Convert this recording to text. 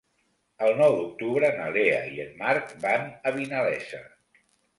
El nou d'octubre na Lea i en Marc van a Vinalesa.